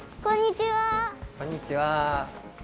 こんにちは。